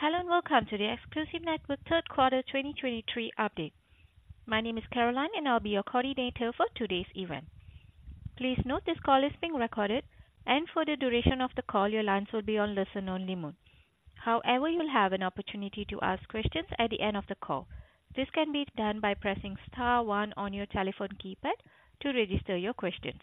Hello, and welcome to the Exclusive Networks Third Quarter 2023 Update. My name is Caroline, and I'll be your coordinator for today's event. Please note this call is being recorded, and for the duration of the call, your lines will be on listen-only mode. However, you'll have an opportunity to ask questions at the end of the call. This can be done by pressing star one on your telephone keypad to register your questions.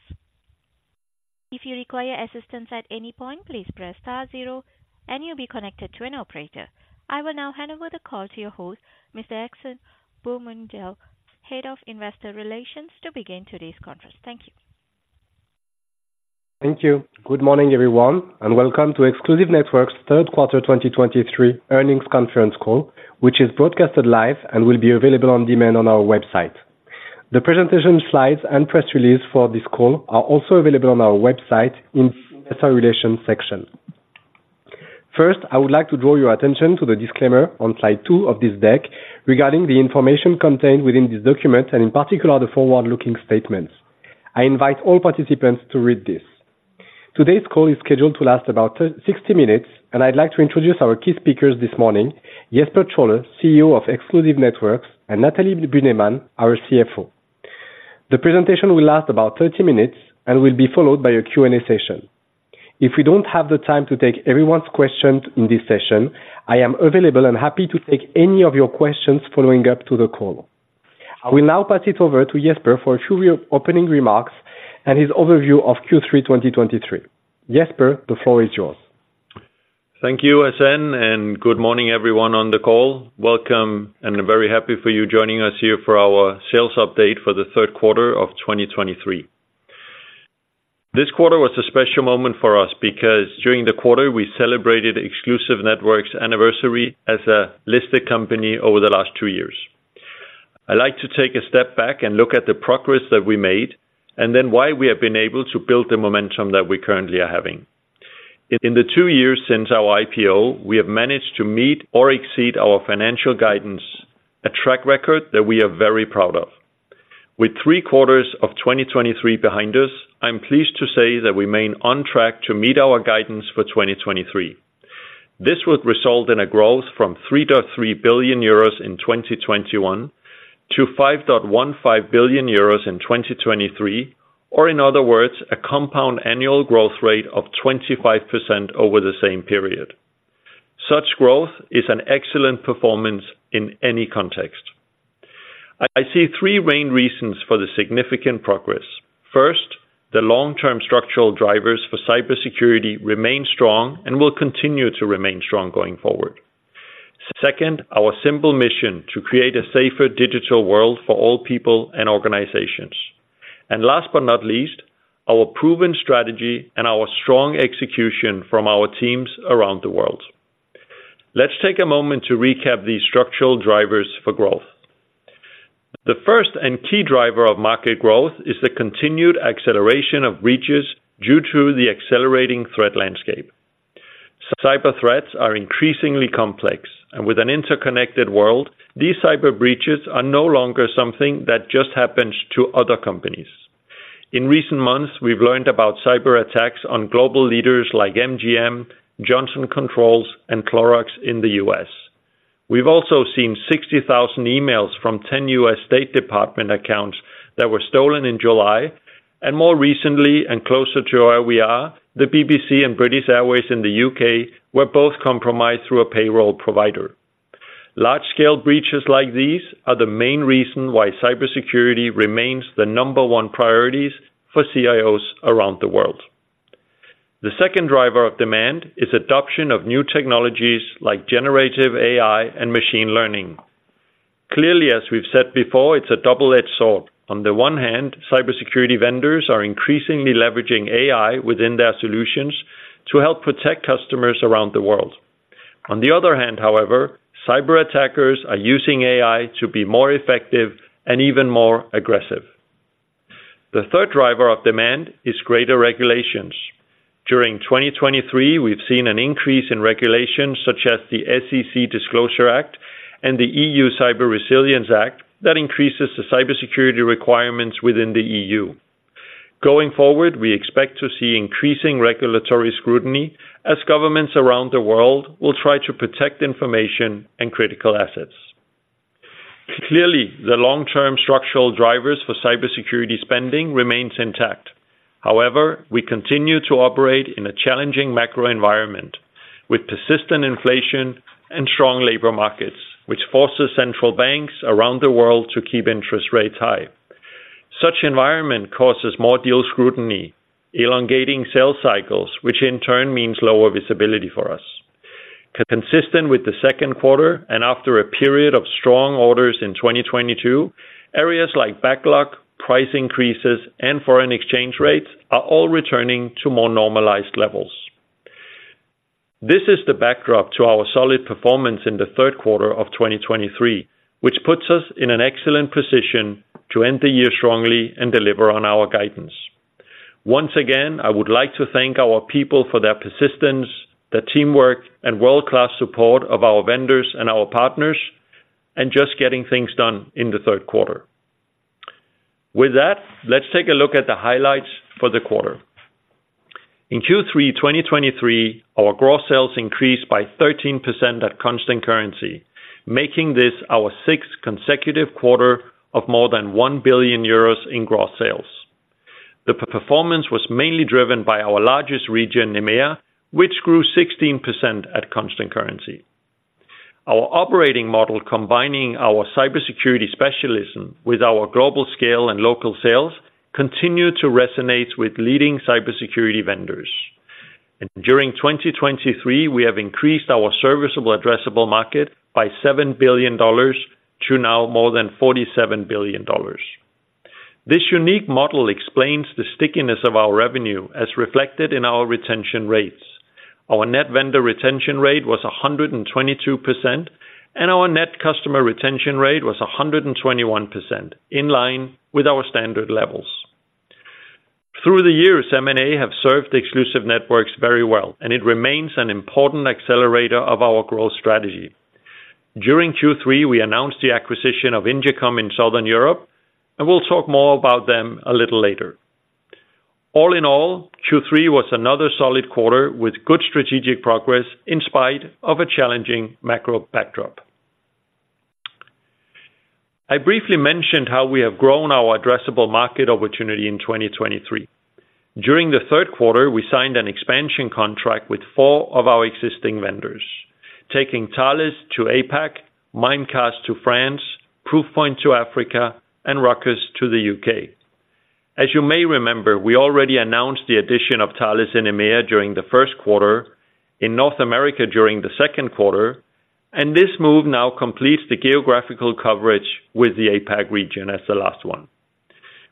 If you require assistance at any point, please press star zero and you'll be connected to an operator. I will now hand over the call to your host, Mr. Hacène Boumendjel, Head of Investor Relations, to begin today's conference. Thank you. Thank you. Good morning, everyone, and welcome to Exclusive Networks' Third Quarter 2023 Earnings Conference Call, which is broadcasted live and will be available on demand on our website. The presentation slides and press release for this call are also available on our website in the Investor Relations section. First, I would like to draw your attention to the disclaimer on slide two of this deck regarding the information contained within this document and in particular, the forward-looking statements. I invite all participants to read this. Today's call is scheduled to last about 60 minutes, and I'd like to introduce our key speakers this morning, Jesper Trolle, CEO of Exclusive Networks, and Nathalie Bühnemann, our CFO. The presentation will last about 30 minutes and will be followed by a Q&A session. If we don't have the time to take everyone's questions in this session, I am available and happy to take any of your questions following up to the call. I will now pass it over to Jesper for a few reopening remarks and his overview of Q3 2023. Jesper, the floor is yours. Thank you, Hacène, and good morning, everyone on the call. Welcome, and I'm very happy for you joining us here for our sales update for the third quarter of 2023. This quarter was a special moment for us because during the quarter, we celebrated Exclusive Networks anniversary as a listed company over the last two years. I'd like to take a step back and look at the progress that we made, and then why we have been able to build the momentum that we currently are having. In the two years since our IPO, we have managed to meet or exceed our financial guidance, a track record that we are very proud of. With three quarters of 2023 behind us, I'm pleased to say that we remain on track to meet our guidance for 2023. This would result in a growth from 3.3 billion euros in 2021 to 5.15 billion euros in 2023, or in other words, a compound annual growth rate of 25% over the same period. Such growth is an excellent performance in any context. I see three main reasons for the significant progress. First, the long-term structural drivers for cybersecurity remain strong and will continue to remain strong going forward. Second, our simple mission to create a safer digital world for all people and organizations. And last but not least, our proven strategy and our strong execution from our teams around the world. Let's take a moment to recap these structural drivers for growth. The first and key driver of market growth is the continued acceleration of breaches due to the accelerating threat landscape. Cyber threats are increasingly complex, and with an interconnected world, these cyber breaches are no longer something that just happens to other companies. In recent months, we've learned about cyberattacks on global leaders like MGM, Johnson Controls, and Clorox in the U.S.. We've also seen 60,000 emails from 10 U.S. State Department accounts that were stolen in July, and more recently, and closer to where we are, the BBC and British Airways in the U.K. were both compromised through a payroll provider. Large-scale breaches like these are the main reason why cybersecurity remains the number one priorities for CIOs around the world. The second driver of demand is adoption of new technologies like generative AI and machine learning. Clearly, as we've said before, it's a double-edged sword. On the one hand, cybersecurity vendors are increasingly leveraging AI within their solutions to help protect customers around the world. On the other hand, however, cyber attackers are using AI to be more effective and even more aggressive. The third driver of demand is greater regulations. During 2023, we've seen an increase in regulations such as the SEC Disclosure Act and the EU Cyber Resilience Act that increases the cybersecurity requirements within the EU. Going forward, we expect to see increasing regulatory scrutiny as governments around the world will try to protect information and critical assets. Clearly, the long-term structural drivers for cybersecurity spending remains intact. However, we continue to operate in a challenging macro environment with persistent inflation and strong labor markets, which forces central banks around the world to keep interest rates high. Such environment causes more deal scrutiny, elongating sales cycles, which in turn means lower visibility for us. Consistent with the second quarter, and after a period of strong orders in 2022, areas like backlog, price increases, and foreign exchange rates are all returning to more normalized levels. This is the backdrop to our solid performance in the third quarter of 2023, which puts us in an excellent position to end the year strongly and deliver on our guidance. Once again, I would like to thank our people for their persistence, their teamwork, and world-class support of our vendors and our partners, and just getting things done in the third quarter.... With that, let's take a look at the highlights for the quarter. In Q3 2023, our gross sales increased by 13% at constant currency, making this our sixth consecutive quarter of more than 1 billion euros in gross sales. The performance was mainly driven by our largest region, EMEA, which grew 16% at constant currency. Our operating model, combining our cybersecurity specialism with our global scale and local sales, continued to resonate with leading cybersecurity vendors. During 2023, we have increased our serviceable addressable market by $7 billion to now more than $47 billion. This unique model explains the stickiness of our revenue as reflected in our retention rates. Our net vendor retention rate was 122%, and our net customer retention rate was 121%, in line with our standard levels. Through the years, M&A have served the Exclusive Networks very well, and it remains an important accelerator of our growth strategy. During Q3, we announced the acquisition of Ingecom in Southern Europe, and we'll talk more about them a little later. All in all, Q3 was another solid quarter with good strategic progress in spite of a challenging macro backdrop. I briefly mentioned how we have grown our addressable market opportunity in 2023. During the third quarter, we signed an expansion contract with four of our existing vendors, taking Thales to APAC, Mimecast to France, Proofpoint to Africa, and Ruckus to the U.K.. As you may remember, we already announced the addition of Thales in EMEA during the first quarter, in North America during the second quarter, and this move now completes the geographical coverage with the APAC region as the last one.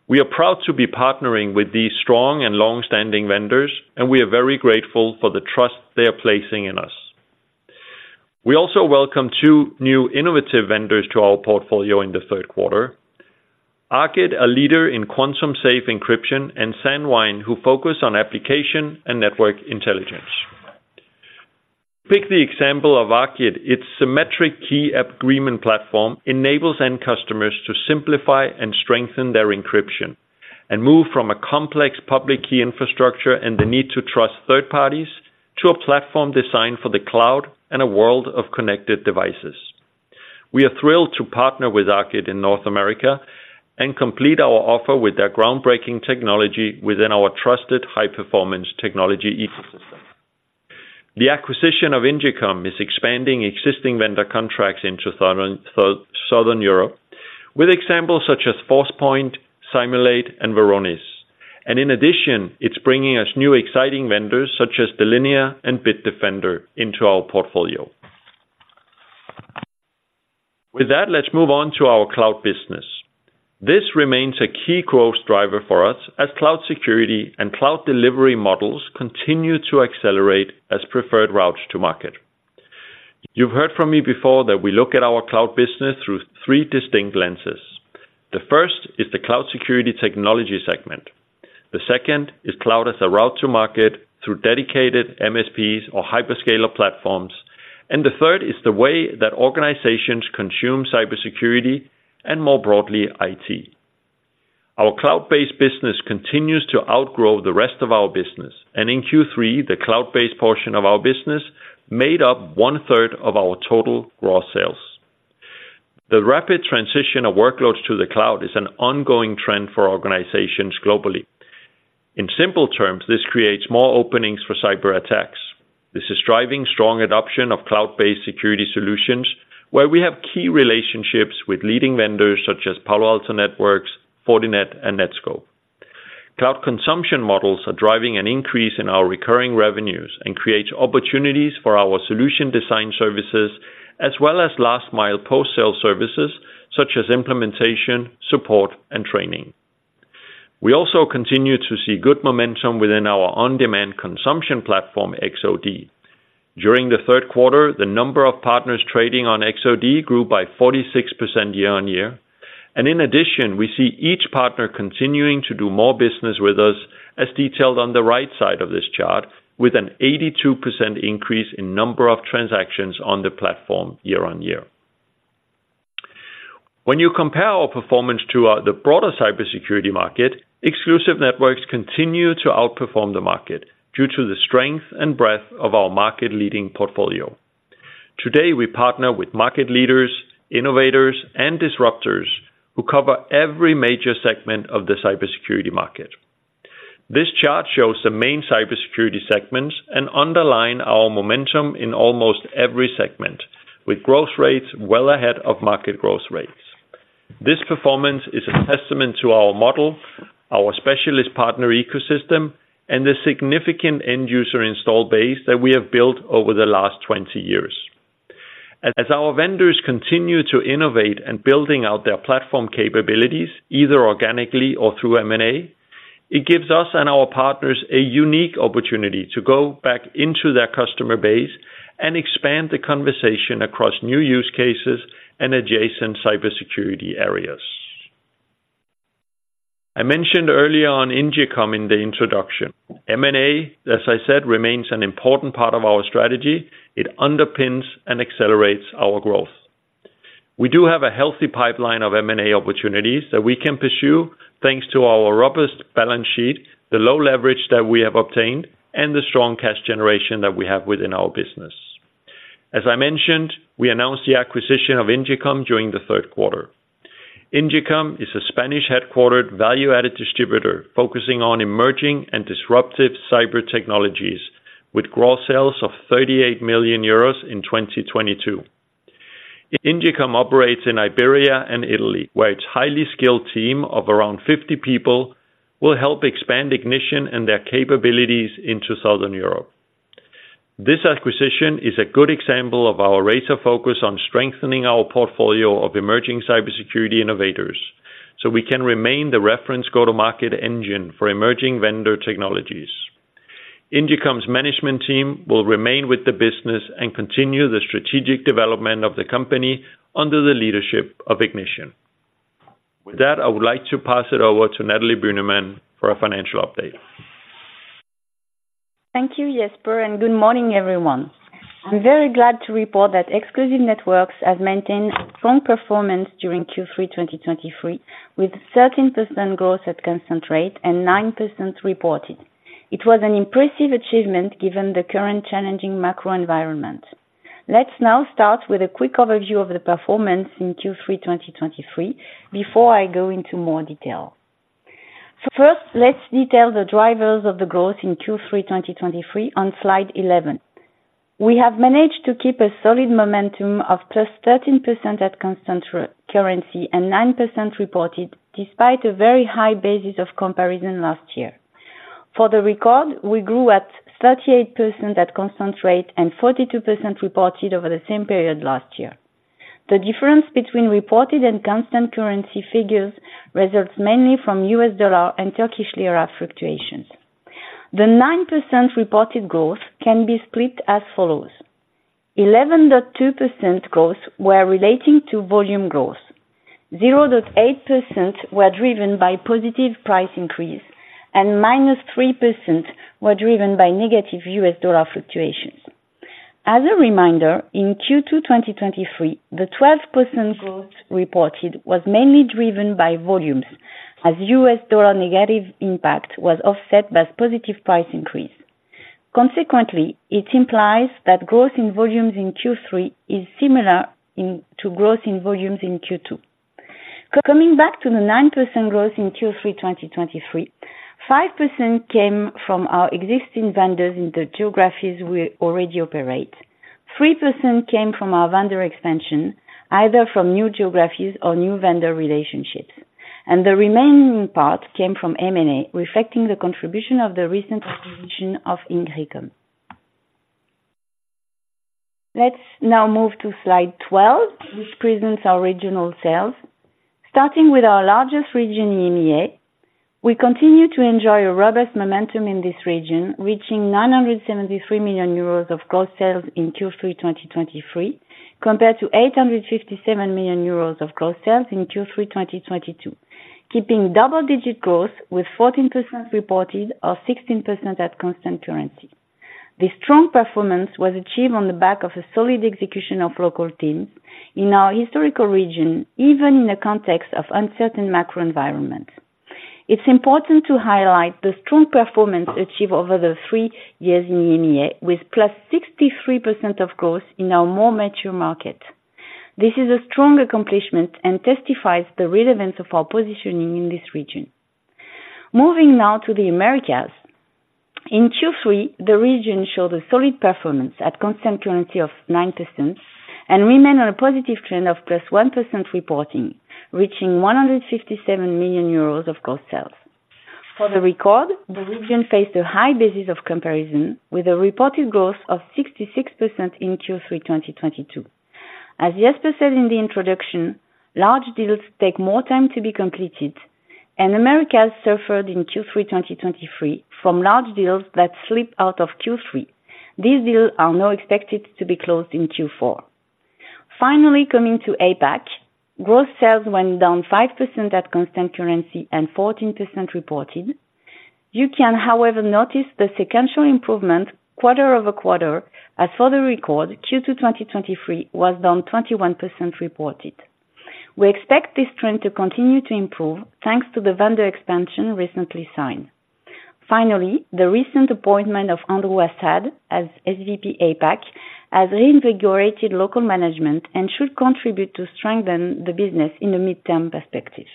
We are proud to be partnering with these strong and long-standing vendors, and we are very grateful for the trust they are placing in us. We also welcome two new innovative vendors to our portfolio in the third quarter. Arqit, a leader in quantum safe encryption, and Sandvine, who focus on application and network intelligence. Pick the example of Arqit. Its symmetric key agreement platform enables end customers to simplify and strengthen their encryption, and move from a complex public key infrastructure and the need to trust third parties, to a platform designed for the cloud and a world of connected devices. We are thrilled to partner with Arqit in North America and complete our offer with their groundbreaking technology within our trusted high-performance technology ecosystem. The acquisition of Ingecom is expanding existing vendor contracts into Southern Europe, with examples such as Forcepoint, Cymulate, and Varonis. And in addition, it's bringing us new, exciting vendors such as Delinea and Bitdefender into our portfolio. With that, let's move on to our cloud business. This remains a key growth driver for us as cloud security and cloud delivery models continue to accelerate as preferred routes to market. You've heard from me before that we look at our cloud business through three distinct lenses. The first is the cloud security technology segment. The second is cloud as a route to market through dedicated MSPs or hyperscaler platforms. The third is the way that organizations consume cybersecurity and, more broadly, IT. Our cloud-based business continues to outgrow the rest of our business, and in Q3, the cloud-based portion of our business made up one-third of our total gross sales. The rapid transition of workloads to the cloud is an ongoing trend for organizations globally. In simple terms, this creates more openings for cyberattacks. This is driving strong adoption of cloud-based security solutions, where we have key relationships with leading vendors such as Palo Alto Networks, Fortinet, and Netskope. Cloud consumption models are driving an increase in our recurring revenues and creates opportunities for our solution design services, as well as last-mile post-sale services such as implementation, support, and training. We also continue to see good momentum within our on-demand consumption platform, X-OD. During the third quarter, the number of partners trading on X-OD grew by 46% year-on-year. In addition, we see each partner continuing to do more business with us, as detailed on the right side of this chart, with an 82% increase in number of transactions on the platform year-on-year. When you compare our performance to the broader cybersecurity market, Exclusive Networks continue to outperform the market due to the strength and breadth of our market-leading portfolio. Today, we partner with market leaders, innovators, and disruptors who cover every major segment of the cybersecurity market. This chart shows the main cybersecurity segments and underline our momentum in almost every segment, with growth rates well ahead of market growth rates. This performance is a testament to our model, our specialist partner ecosystem, and the significant end-user install base that we have built over the last 20 years. As our vendors continue to innovate and building out their platform capabilities, either organically or through M&A, it gives us and our partners a unique opportunity to go back into their customer base and expand the conversation across new use cases and adjacent cybersecurity areas. I mentioned earlier on Ingecom in the introduction. M&A, as I said, remains an important part of our strategy. It underpins and accelerates our growth. We do have a healthy pipeline of M&A opportunities that we can pursue, thanks to our robust balance sheet, the low leverage that we have obtained, and the strong cash generation that we have within our business. As I mentioned, we announced the acquisition of Ingecom during the third quarter. Ingecom is a Spanish-headquartered, value-added distributor, focusing on emerging and disruptive cyber technologies, with gross sales of 38 million euros in 2022. Ingecom operates in Iberia and Italy, where its highly skilled team of around 50 people will help expand Ignition and their capabilities into Southern Europe. This acquisition is a good example of our razor focus on strengthening our portfolio of emerging cybersecurity innovators, so we can remain the reference go-to-market engine for emerging vendor technologies. Ingecom's management team will remain with the business and continue the strategic development of the company under the leadership of Ignition. With that, I would like to pass it over to Nathalie Bühnemann for a financial update. Thank you, Jesper, and good morning, everyone. I'm very glad to report that Exclusive Networks has maintained a strong performance during Q3 2023, with 13% growth at constant currency and 9% reported. It was an impressive achievement, given the current challenging macro environment. Let's now start with a quick overview of the performance in Q3 2023, before I go into more detail. First, let's detail the drivers of the growth in Q3 2023, on slide 11. We have managed to keep a solid momentum of +13% at constant currency, and 9% reported, despite a very high basis of comparison last year. For the record, we grew at 38% at constant currency and 42% reported over the same period last year. The difference between reported and constant currency figures results mainly from U.S. dollar and Turkish lira fluctuations. The 9% reported growth can be split as follows: 11.2% growth were relating to volume growth, 0.8% were driven by positive price increase, and -3% were driven by negative U.S. dollar fluctuations. As a reminder, in Q2 2023, the 12% growth reported was mainly driven by volumes, as U.S. dollar negative impact was offset by positive price increase. Consequently, it implies that growth in volumes in Q3 is similar in, to growth in volumes in Q2. Coming back to the 9% growth in Q3 2023, 5% came from our existing vendors in the geographies we already operate. 3% came from our vendor expansion, either from new geographies or new vendor relationships, and the remaining part came from M&A, reflecting the contribution of the recent acquisition of Ingecom. Let's now move to slide 12, which presents our regional sales. Starting with our largest region in EMEA, we continue to enjoy a robust momentum in this region, reaching 973 million euros of gross sales in Q3 2023, compared to 857 million euros of gross sales in Q3 2022, keeping double-digit growth with 14% reported or 16% at constant currency. This strong performance was achieved on the back of a solid execution of local teams in our historical region, even in the context of uncertain macro environment. It's important to highlight the strong performance achieved over the three years in EMEA, with +63% of growth in our more mature market. This is a strong accomplishment and testifies the relevance of our positioning in this region. Moving now to the Americas. In Q3, the region showed a solid performance at constant currency of 9% and remained on a positive trend of +1% reporting, reaching 157 million euros of gross sales. For the record, the region faced a high basis of comparison, with a reported growth of 66% in Q3 2022. As Jesper said in the introduction, large deals take more time to be completed, and Americas suffered in Q3 2023 from large deals that slipped out of Q3. These deals are now expected to be closed in Q4. Finally, coming to APAC, gross sales went down 5% at constant currency and 14% reported. You can, however, notice the sequential improvement quarter-over-quarter, as for the record, Q2 2023 was down 21% reported. We expect this trend to continue to improve, thanks to the vendor expansion recently signed. Finally, the recent appointment of Andrew Assad as SVP APAC has reinvigorated local management and should contribute to strengthen the business in the midterm perspective.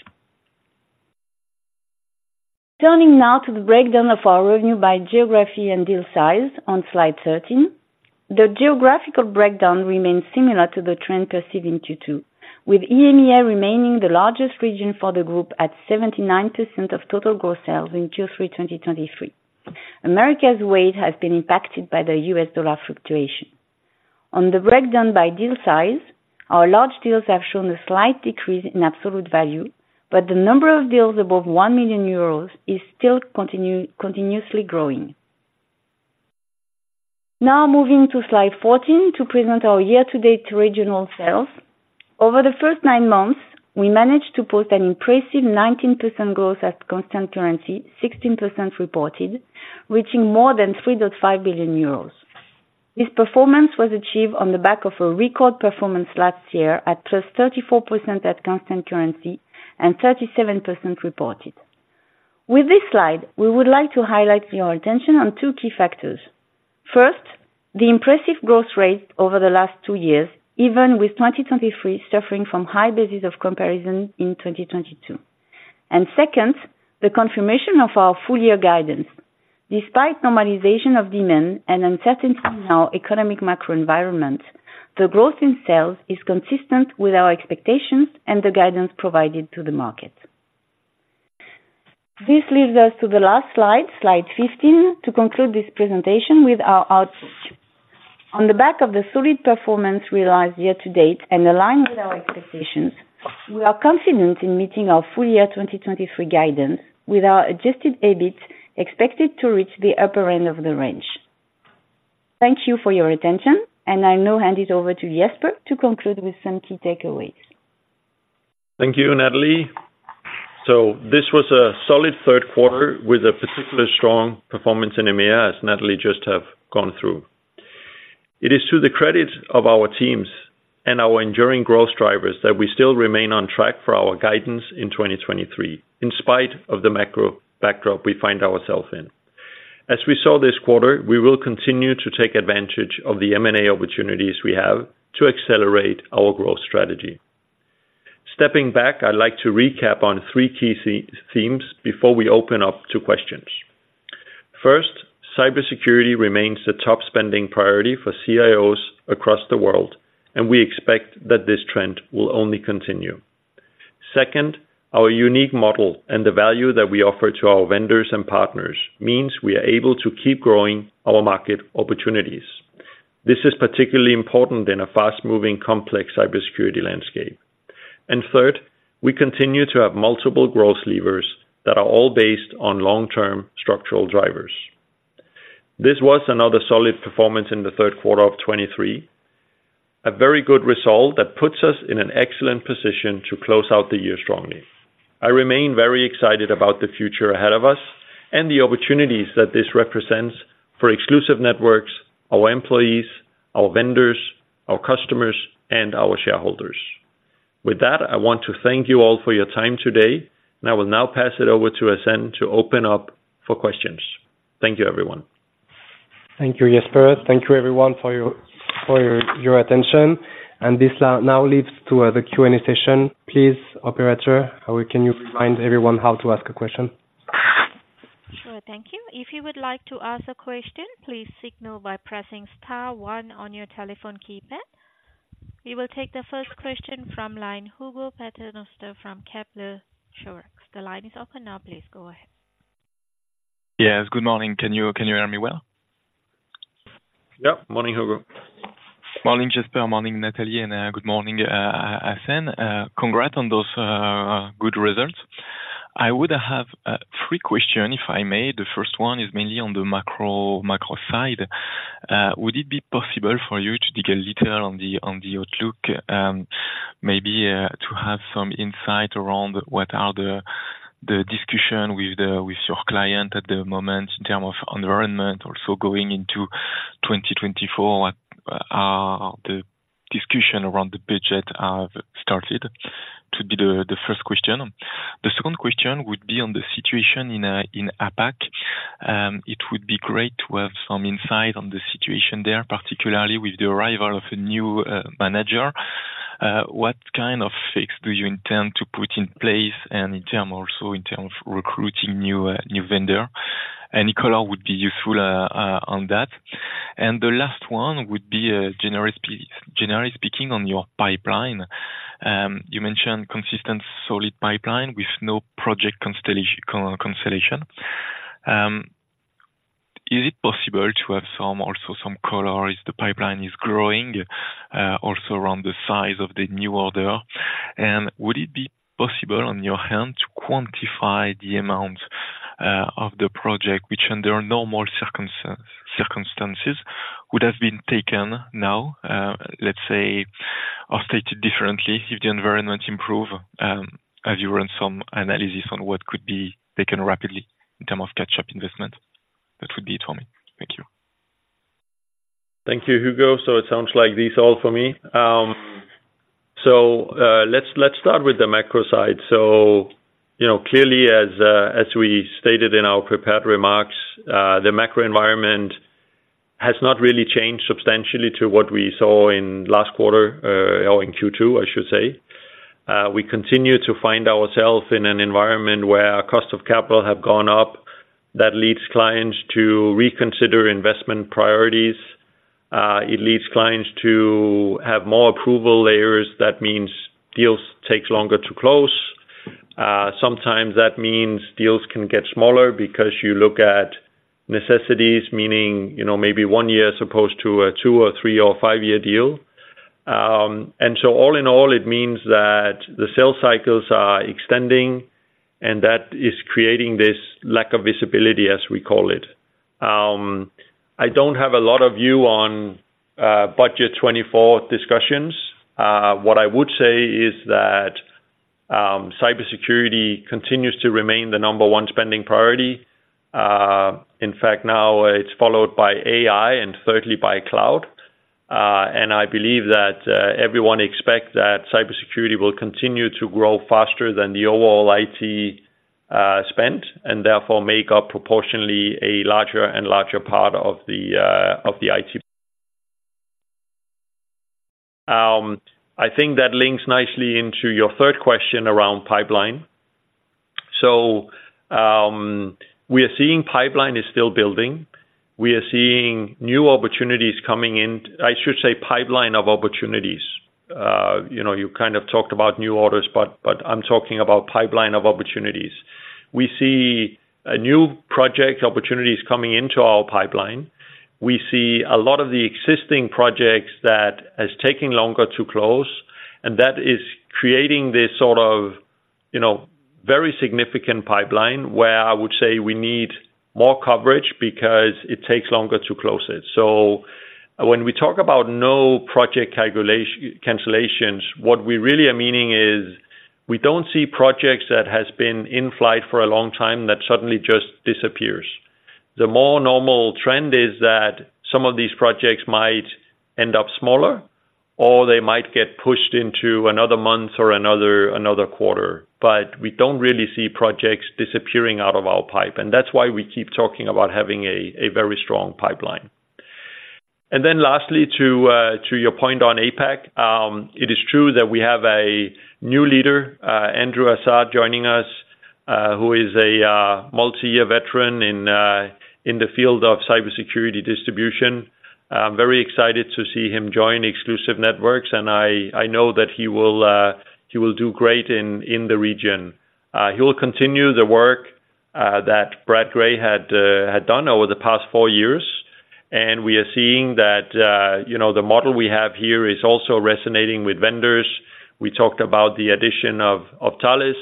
Turning now to the breakdown of our revenue by geography and deal size on Slide 13. The geographical breakdown remains similar to the trend perceived in Q2, with EMEA remaining the largest region for the group at 79% of total growth sales in Q3 2023. America's weight has been impacted by the U.S. dollar fluctuation. On the breakdown by deal size, our large deals have shown a slight decrease in absolute value, but the number of deals above 1 million euros is still continuously growing. Now moving to slide 14 to present our year-to-date regional sales. Over the first nine months, we managed to post an impressive 19% growth at constant currency, 16% reported, reaching more than 3.5 billion euros. This performance was achieved on the back of a record performance last year at +34% at constant currency and 37% reported. With this slide, we would like to highlight your attention on two key factors. First, the impressive growth rate over the last two years, even with 2023 suffering from high basis of comparison in 2022. Second, the confirmation of our full year guidance. Despite normalization of demand and uncertainty in our economic macro environment, the growth in sales is consistent with our expectations and the guidance provided to the market. This leads us to the last slide, slide 15, to conclude this presentation with our outlook. On the back of the solid performance realized year to date and aligned with our expectations, we are confident in meeting our full year 2023 guidance, with our adjusted EBIT expected to reach the upper end of the range. Thank you for your attention, and I'll now hand it over to Jesper to conclude with some key takeaways. Thank you, Nathalie. So this was a solid third quarter with a particular strong performance in EMEA, as Nathalie just have gone through. It is to the credit of our teams and our enduring growth drivers that we still remain on track for our guidance in 2023, in spite of the macro backdrop we find ourselves in. As we saw this quarter, we will continue to take advantage of the M&A opportunities we have to accelerate our growth strategy. Stepping back, I'd like to recap on three key themes before we open up to questions. First, cybersecurity remains the top spending priority for CIOs across the world, and we expect that this trend will only continue. Second, our unique model and the value that we offer to our vendors and partners means we are able to keep growing our market opportunities. This is particularly important in a fast-moving, complex cybersecurity landscape. And third, we continue to have multiple growth levers that are all based on long-term structural drivers. This was another solid performance in the third quarter of 2023. A very good result that puts us in an excellent position to close out the year strongly. I remain very excited about the future ahead of us and the opportunities that this represents for Exclusive Networks, our employees, our vendors, our customers, and our shareholders. With that, I want to thank you all for your time today, and I will now pass it over to Hacène to open up for questions. Thank you, everyone. Thank you, Jesper. Thank you everyone, for your attention. And this now leads to the Q&A session. Please, operator, how can you remind everyone how to ask a question? Sure. Thank you. If you would like to ask a question, please signal by pressing star one on your telephone keypad. We will take the first question from line, Hugo Paternoster from Kepler Cheuvreux. The line is open now. Please go ahead. Yes, good morning. Can you, can you hear me well? Yep. Morning, Hugo. Morning, Jesper. Morning, Nathalie, and good morning, Hacène. Congrats on those good results. I would have three questions, if I may. The first one is mainly on the macro, macro side. Would it be possible for you to dig a little on the outlook? Maybe to have some insight around what are the discussion with your client at the moment in terms of environment. Also going into 2024, what are the discussion around the budget have started? To be the first question. The second question would be on the situation in APAC. It would be great to have some insight on the situation there, particularly with the arrival of a new manager. What kind of fix do you intend to put in place? Also in terms of recruiting new vendor. Any color would be useful on that. And the last one would be generally speaking, on your pipeline. You mentioned consistent solid pipeline with no project constellation. Is it possible to have some also some color if the pipeline is growing also around the size of the new order? And would it be possible, on your hand, to quantify the amount of the project, which under normal circumstance, circumstances, would have been taken now, let's say, or stated differently, if the environment improve, as you run some analysis on what could be taken rapidly in terms of catch-up investment? That would be it for me. Thank you. Thank you, Hugo. So it sounds like that's all for me. So, let's start with the macro side. So, you know, clearly as we stated in our prepared remarks, the macro environment has not really changed substantially to what we saw in last quarter, or in Q2, I should say. We continue to find ourselves in an environment where cost of capital have gone up. That leads clients to reconsider investment priorities. It leads clients to have more approval layers. That means deals takes longer to close. Sometimes that means deals can get smaller because you look at necessities, meaning, you know, maybe one year as opposed to a two or three or five-year deal. And so all in all, it means that the sales cycles are extending, and that is creating this lack of visibility, as we call it. I don't have a lot of view on budget 2024 discussions. What I would say is that cybersecurity continues to remain the number one spending priority. In fact, now it's followed by AI and thirdly, by cloud. And I believe that everyone expects that cybersecurity will continue to grow faster than the overall IT spend, and therefore make up proportionally a larger and larger part of the of the IT. I think that links nicely into your third question around pipeline. So, we are seeing pipeline is still building. We are seeing new opportunities coming in. I should say, pipeline of opportunities. You know, you kind of talked about new orders, but, but I'm talking about pipeline of opportunities. We see a new project opportunities coming into our pipeline. We see a lot of the existing projects that is taking longer to close, and that is creating this sort of, you know, very significant pipeline where I would say we need more coverage because it takes longer to close it. So when we talk about no project cancellations, what we really are meaning is, we don't see projects that has been in flight for a long-time, that suddenly just disappears. The more normal trend is that some of these projects might end up smaller, or they might get pushed into another month or another, another quarter. But we don't really see projects disappearing out of our pipe, and that's why we keep talking about having a very strong pipeline. And then lastly, to your point on APAC, it is true that we have a new leader, Andrew Assad, joining us, who is a multi-year veteran in the field of cybersecurity distribution. I'm very excited to see him join Exclusive Networks, and I know that he will do great in the region. He will continue the work that Brad Gray had done over the past four years. And we are seeing that, you know, the model we have here is also resonating with vendors. We talked about the addition of Thales,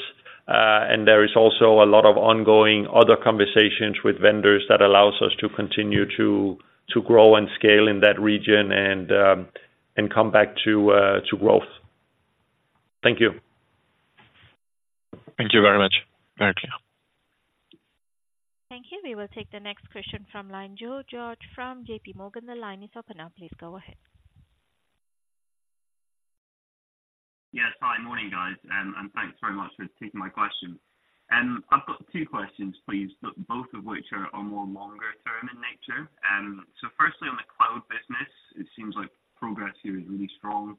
and there is also a lot of ongoing other conversations with vendors that allows us to continue to grow and scale in that region and come back to growth. Thank you. Thank you very much. Very clear. Thank you. We will take the next question from line, Joe George from J.P. Morgan. The line is open now. Please go ahead. Yes, hi. Morning, guys, and thanks very much for taking my question. I've got two questions, please, but both of which are more longer term in nature. So firstly, on the cloud business, it seems like progress here is really strong.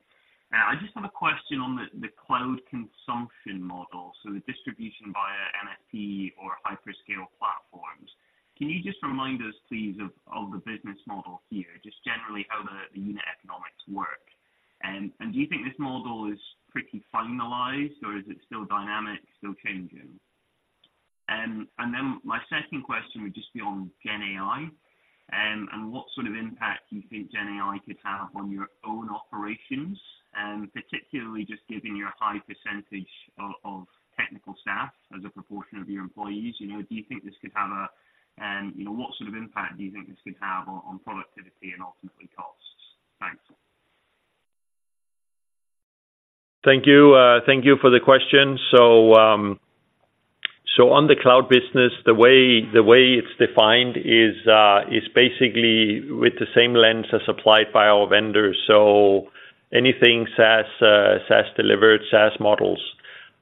I just have a question on the cloud consumption model, so the distribution via MSP or hyperscale platforms. Can you just remind us, please, of the business model here, just generally how the unit economics work? And do you think this model is pretty finalized, or is it still dynamic, still changing? And then my second question would just be on Gen AI, and what sort of impact do you think Gen AI could have on your own operations, particularly just given your high percentage of, of technical staff as a proportion of your employees, you know, do you think this could have a, you know, what sort of impact do you think this could have on, on productivity and ultimately costs? Thanks. Thank you. Thank you for the question. So, so on the cloud business, the way, the way it's defined is, is basically with the same lens as applied by our vendors. So anything SaaS, SaaS delivered, SaaS models.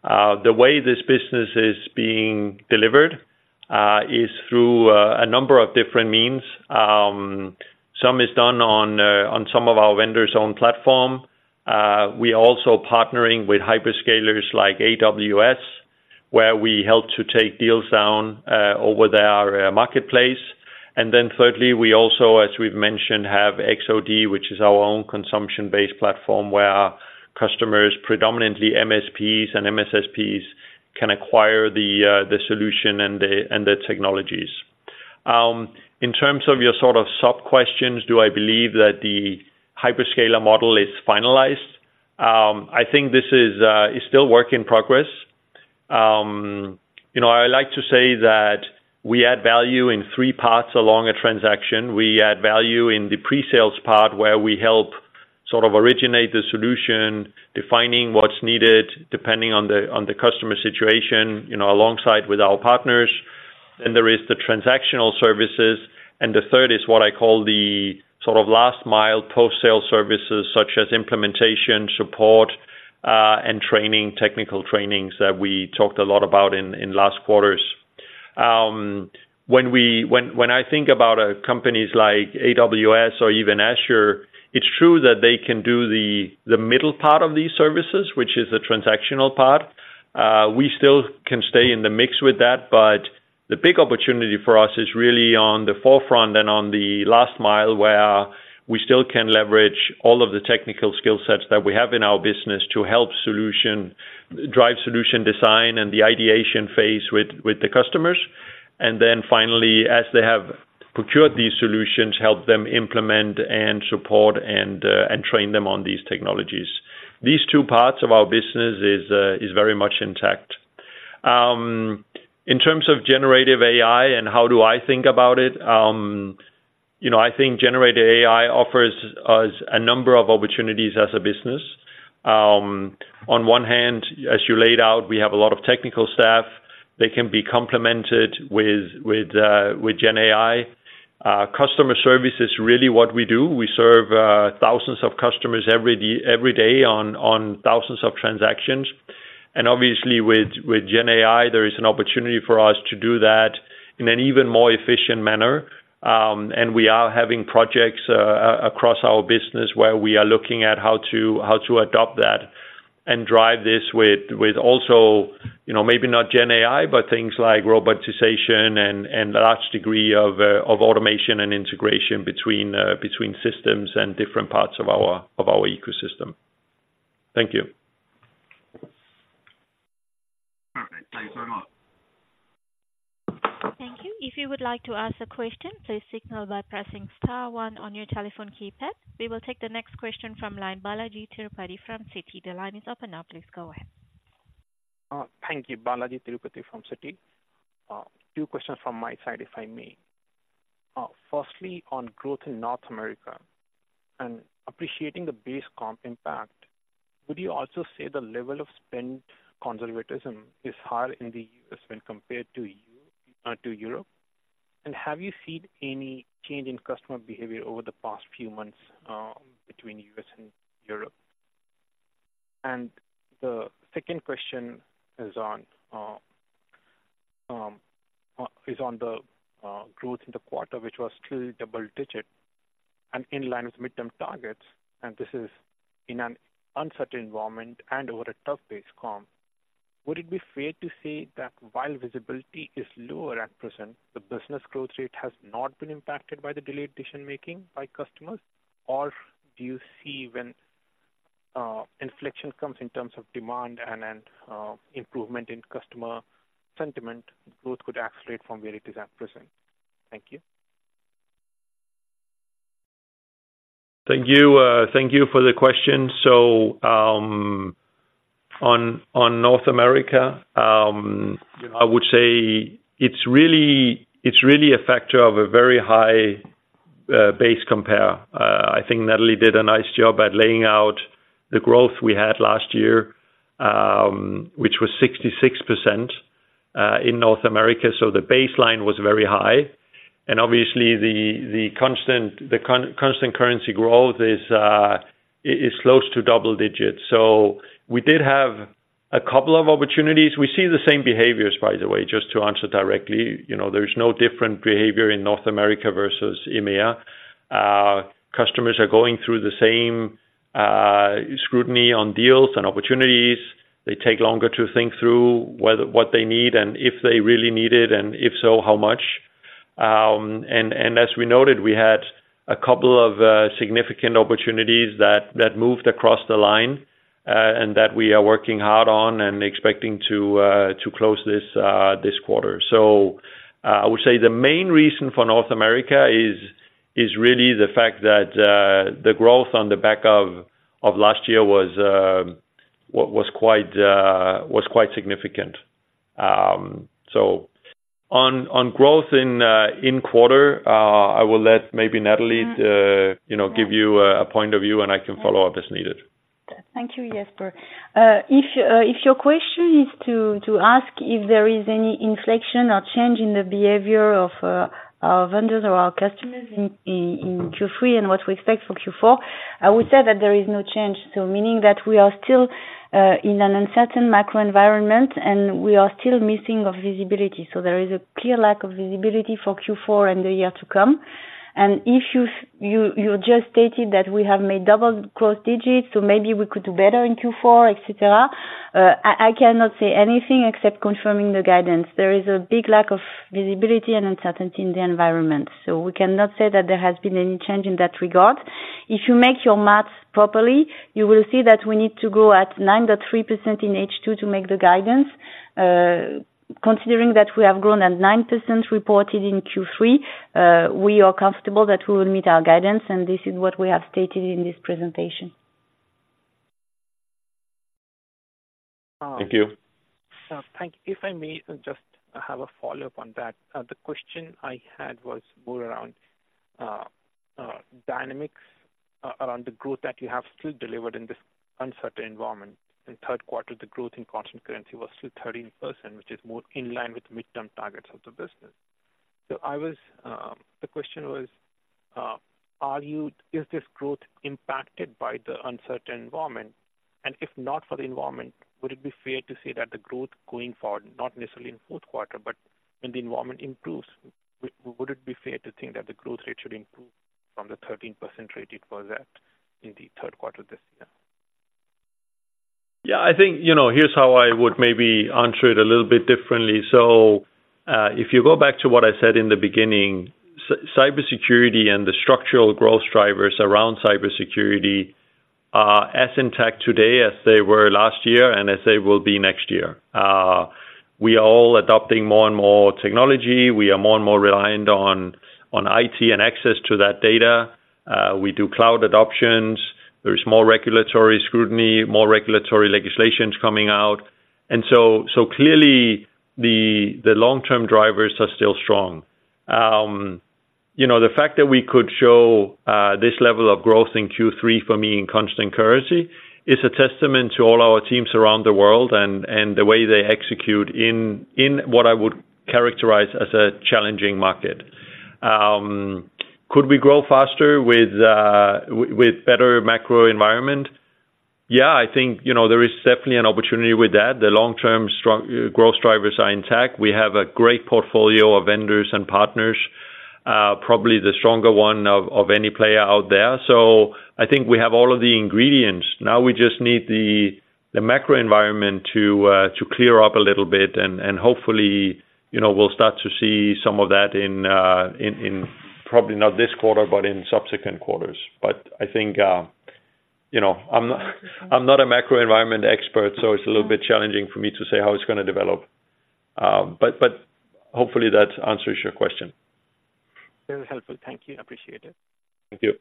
The way this business is being delivered, is through, a number of different means. Some is done on, on some of our vendors' own platform. We are also partnering with hyperscalers like AWS, where we help to take deals down, over their, marketplace. And then thirdly, we also, as we've mentioned, have X-OD, which is our own consumption-based platform, where customers, predominantly MSPs and MSSPs, can acquire the, the solution and the, and the technologies. In terms of your sort of sub-questions, do I believe that the hyperscaler model is finalized? I think this is still work in progress. You know, I like to say that we add value in three parts along a transaction. We add value in the pre-sales part, where we help sort of originate the solution, defining what's needed, depending on the customer situation, you know, alongside with our partners. Then there is the transactional services, and the third is what I call the sort of last mile post-sale services, such as implementation, support, and training, technical trainings that we talked a lot about in last quarters. When I think about companies like AWS or even Azure, it's true that they can do the middle part of these services, which is the transactional part. We still can stay in the mix with that, but the big opportunity for us is really on the forefront and on the last mile, where we still can leverage all of the technical skill sets that we have in our business to help drive solution design and the ideation phase with the customers. And then finally, as they have procured these solutions, help them implement and support and train them on these technologies. These two parts of our business is very much intact. In terms of generative AI and how do I think about it, you know, I think generative AI offers us a number of opportunities as a business. On one hand, as you laid out, we have a lot of technical staff. They can be complemented with gen AI. Customer service is really what we do. We serve thousands of customers every day on thousands of transactions. And obviously with Gen AI, there is an opportunity for us to do that in an even more efficient manner. And we are having projects across our business, where we are looking at how to adopt that and drive this with also, you know, maybe not Gen AI, but things like robotization and a large degree of automation and integration between systems and different parts of our ecosystem. Thank you. Perfect. Thanks very much. Thank you. If you would like to ask a question, please signal by pressing star one on your telephone keypad. We will take the next question from line, Balajee Tirupati from Citi. The line is open now, please go ahead. Thank you. Balajee Tirupati from Citi. Two questions from my side, if I may. Firstly, on growth in North America and appreciating the base comp impact, would you also say the level of spend conservatism is higher in the U.S. when compared to Europe? And have you seen any change in customer behavior over the past few months between U.S. and Europe? And the second question is on the growth in the quarter, which was still double-digit and in line with mid-term targets, and this is in an uncertain environment and over a tough base comp. Would it be fair to say that while visibility is lower at present, the business growth rate has not been impacted by the delayed decision-making by customers? Or do you see when inflection comes in terms of demand and then improvement in customer sentiment, growth could accelerate from where it is at present? Thank you. Thank you, thank you for the question. On North America, I would say it's really a factor of a very high base compare. I think Nathalie did a nice job at laying out the growth we had last year, which was 66% in North America, so the baseline was very high. Obviously, the constant currency growth is close to double digits. We did have a couple of opportunities. We see the same behaviors, by the way, just to answer directly, you know, there's no different behavior in North America versus EMEA. Customers are going through the same scrutiny on deals and opportunities. They take longer to think through whether what they need and if they really need it, and if so, how much? As we noted, we had a couple of significant opportunities that moved across the line, and that we are working hard on and expecting to close this quarter. So, I would say the main reason for North America is really the fact that the growth on the back of last year was quite significant. So, on growth in quarter, I will let maybe Nathalie, you know, give you a point of view, and I can follow up as needed. Thank you, Jesper. If, if your question is to ask if there is any inflection or change in the behavior of our vendors or our customers in Q3 and what we expect for Q4, I would say that there is no change. So meaning that we are still in an uncertain macro environment, and we are still missing of visibility. So there is a clear lack of visibility for Q4 and the year to come. And if you just stated that we have made double growth digits, so maybe we could do better in Q4, et cetera. I cannot say anything except confirming the guidance. There is a big lack of visibility and uncertainty in the environment. So we cannot say that there has been any change in that regard. If you make your math properly, you will see that we need to grow at 9.3% in H2 to make the guidance. Considering that we have grown at 9% reported in Q3, we are comfortable that we will meet our guidance, and this is what we have stated in this presentation. Thank you. Thank you. If I may just have a follow-up on that. The question I had was more around dynamics around the growth that you have still delivered in this uncertain environment. In third quarter, the growth in constant currency was still 13%, which is more in line with the mid-term targets of the business. So I was... The question was, is this growth impacted by the uncertain environment? And if not for the environment, would it be fair to say that the growth going forward, not necessarily in fourth quarter, but when the environment improves, would it be fair to think that the growth rate should improve from the 13% rate it was at in the third quarter this year? Yeah, I think, you know, here's how I would maybe answer it a little bit differently. So, if you go back to what I said in the beginning, cybersecurity and the structural growth drivers around cybersecurity as intact today as they were last year and as they will be next year. We are all adopting more and more technology. We are more and more reliant on IT and access to that data. We do cloud adoptions. There is more regulatory scrutiny, more regulatory legislations coming out. And so clearly the long-term drivers are still strong. You know, the fact that we could show this level of growth in Q3 for me, in constant currency, is a testament to all our teams around the world and the way they execute in what I would characterize as a challenging market. Could we grow faster with better macro environment? Yeah, I think, you know, there is definitely an opportunity with that. The long-term strong growth drivers are intact. We have a great portfolio of vendors and partners, probably the stronger one of any player out there. So I think we have all of the ingredients. Now we just need the macro environment to clear up a little bit, and hopefully, you know, we'll start to see some of that in probably not this quarter, but in subsequent quarters. But I think, you know, I'm not a macro environment expert, so it's a little bit challenging for me to say how it's gonna develop. But hopefully that answers your question. Very helpful. Thank you. Appreciate it. Thank you.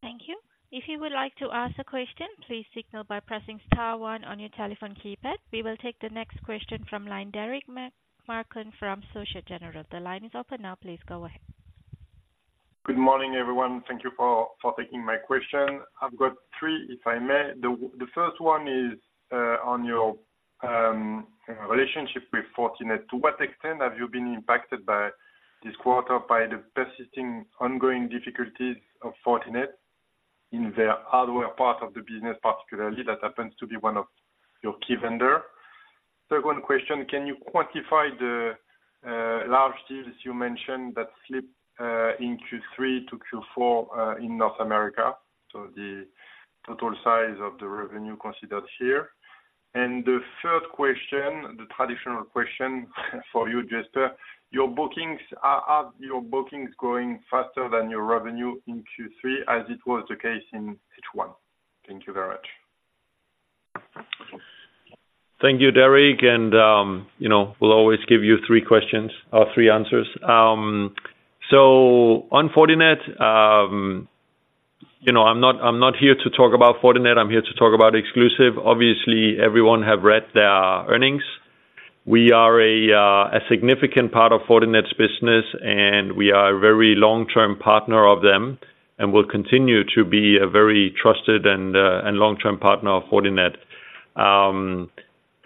Thank you. If you would like to ask a question, please signal by pressing star one on your telephone keypad. We will take the next question from line Derric Marcon from SocGen. The line is open now, please go ahead. Good morning, everyone. Thank you for, for taking my question. I've got three, if I may. The, the first one is, on your, relationship with Fortinet. To what extent have you been impacted by this quarter, by the persisting ongoing difficulties of Fortinet in their hardware part of the business, particularly, that happens to be one of your key vendor? Second question, can you quantify the, large deals you mentioned that slipped, in Q3 to Q4, in North America, so the total size of the revenue considered here? And the third question, the traditional question for you, Jasper, your bookings are, are your bookings growing faster than your revenue in Q3, as it was the case in H1? Thank you very much. Thank you, Derric, and, you know, we'll always give you three questions or three answers. So on Fortinet, you know, I'm not here to talk about Fortinet. I'm here to talk about Exclusive. Obviously, everyone have read their earnings. We are a significant part of Fortinet's business, and we are a very long-term partner of them and will continue to be a very trusted and long-term partner of Fortinet.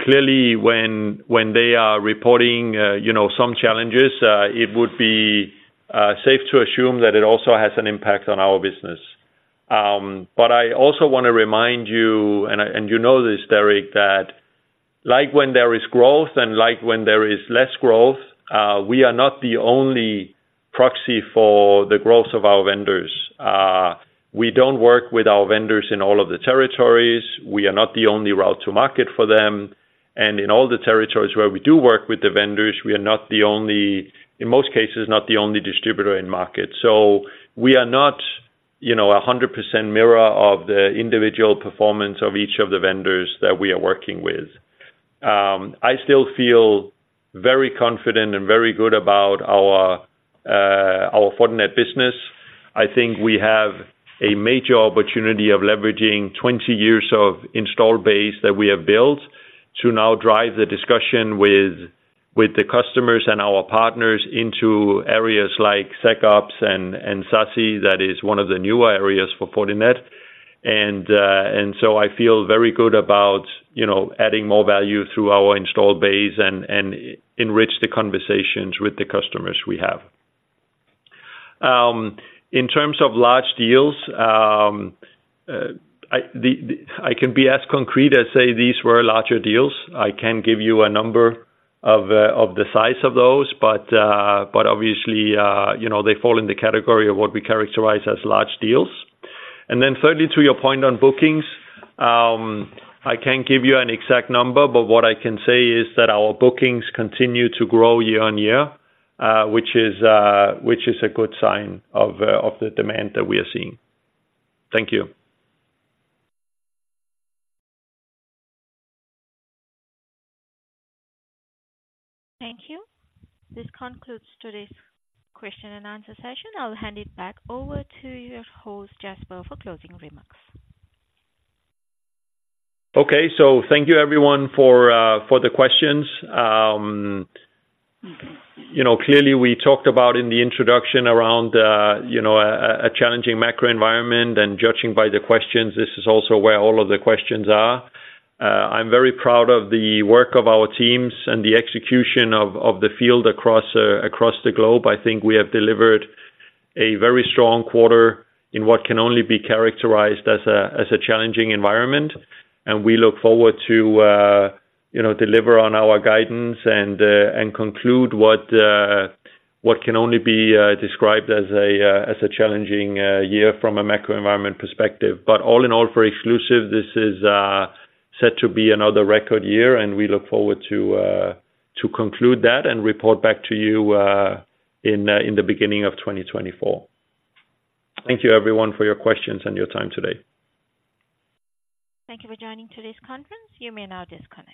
Clearly, when they are reporting, you know, some challenges, it would be safe to assume that it also has an impact on our business. But I also want to remind you, and you know this, Derric, that like when there is growth and like when there is less growth, we are not the only proxy for the growth of our vendors. We don't work with our vendors in all of the territories. We are not the only route to market for them. And in all the territories where we do work with the vendors, we are not the only... in most cases, not the only distributor in market. So we are not, you know, 100% mirror of the individual performance of each of the vendors that we are working with. I still feel very confident and very good about our, our Fortinet business. I think we have a major opportunity of leveraging 20 years of install base that we have built, to now drive the discussion with, with the customers and our partners into areas like SecOps and, and SASE. That is one of the newer areas for Fortinet. I feel very good about, you know, adding more value through our install base and enrich the conversations with the customers we have. In terms of large deals, I can be as concrete as say these were larger deals. I can give you a number of the size of those, but obviously, you know, they fall in the category of what we characterize as large deals. And then thirdly, to your point on bookings, I can't give you an exact number, but what I can say is that our bookings continue to grow year-on-year, which is a good sign of the demand that we are seeing. Thank you. Thank you. This concludes today's question and answer session. I'll hand it back over to your host, Jesper, for closing remarks. Okay. So thank you everyone for the questions. You know, clearly we talked about in the introduction around you know a challenging macro environment, and judging by the questions, this is also where all of the questions are. I'm very proud of the work of our teams and the execution of the field across the globe. I think we have delivered a very strong quarter in what can only be characterized as a challenging environment, and we look forward to you know deliver on our guidance and conclude what can only be described as a challenging year from a macro environment perspective. But all in all, for Exclusive, this is set to be another record year, and we look forward to conclude that and report back to you in the beginning of 2024. Thank you everyone for your questions and your time today. Thank you for joining today's conference. You may now disconnect.